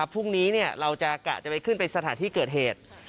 พรุ่งนี้เราจะกะจะไปขึ้นไปสถานที่เกิดเหตุ